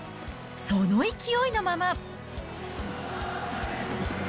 その勢いのまま。